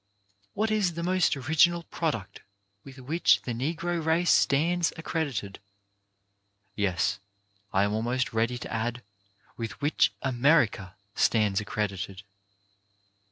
What is the most original product with which the Negro race stands accredited? Yes, I am almost ready to add, with which America stands accredited